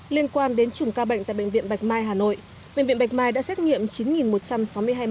liên quan đến chủng ca bệnh tại bệnh viện bạch mai hà nội bệnh viện bạch mai đã xét nghiệm